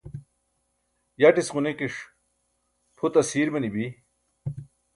yaṭis ġunikiṣ phut asiir manibi